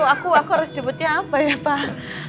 aku harus nyebutnya apa ya pak